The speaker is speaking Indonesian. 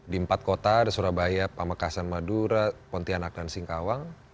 di empat kota ada surabaya pamekasan madura pontianak dan singkawang